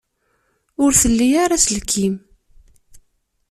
Ur tli ara aselkim.